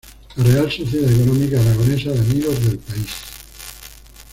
La Real Sociedad Económica Aragonesa de Amigos del País".